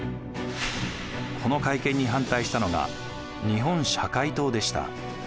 この改憲に反対したのが日本社会党でした。